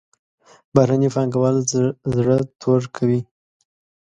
بهرني پانګوال زړه تور کوي.